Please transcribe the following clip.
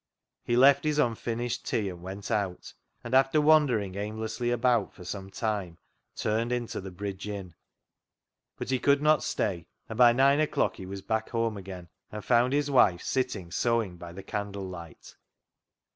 He left his unfinished tea and went out, and after wandering aimlessly about for some time, turned in to the Bridge Inn. But he could not stay, and by nine o'clock he was back home again, and found his wife sitting sewing by the candle light.